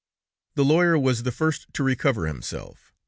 The lawyer was the first to recover himself.